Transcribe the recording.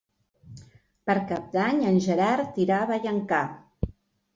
Per Cap d'Any en Gerard irà a Vallanca.